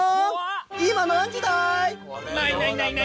今何時だい？